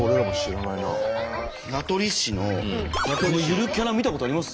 名取市のこのゆるキャラ見たことあります？